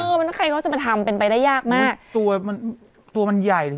ใครเขาจะมาทำเป็นไปได้ยากมากตัวมันตัวมันใหญ่